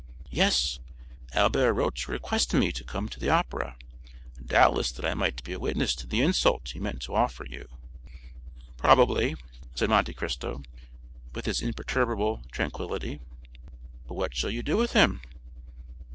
"Yes. Albert wrote to request me to come to the Opera, doubtless that I might be a witness to the insult he meant to offer you." "Probably," said Monte Cristo with his imperturbable tranquillity. "But what shall you do with him?"